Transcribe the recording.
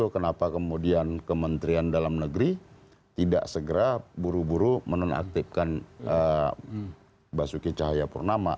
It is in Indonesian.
kenapa kemudian kementerian dalam negeri tidak segera buru buru menonaktifkan basuki cahayapurnama